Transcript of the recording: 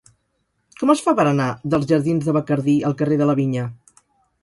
Com es fa per anar dels jardins de Bacardí al carrer de la Vinya?